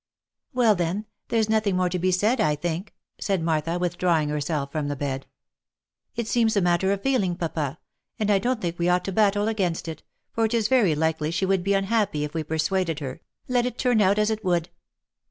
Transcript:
" Well then, there's nothing more to be said, I think," said Martha withdrawing herself from the bed. " It seems a matter of feeling, papa, and I don't think we ought to battle against it, for it is very OF MICHAEL ARMSTRONG. 161 likely she would be unhappy if we persuaded her, let it turn out as it would."